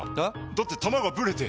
だって球がブレて！